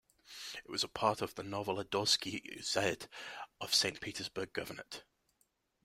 It was a part of Novoladozhsky Uyezd of Saint Petersburg Governorate.